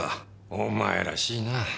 お前らしいな。